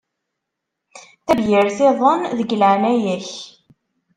Tabyirt-iḍen, deg leɛnaya-k.